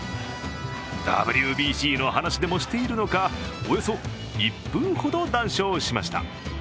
ＷＢＣの話でもしているのかおよそ１分ほど談笑しました。